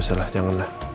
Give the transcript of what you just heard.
saya bisa mengelak